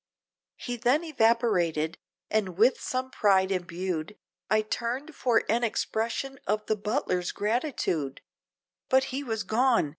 He then evaporated, and with some pride embued, I turned, for an expression of the butler's gratitude, But he was gone!